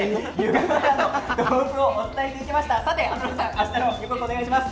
明日の内容お願いします。